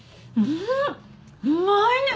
うまいね